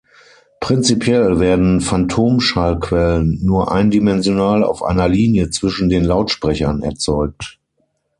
Prinzipiell werden Phantomschallquellen nur eindimensional, auf einer Linie zwischen den Lautsprechern, erzeugt.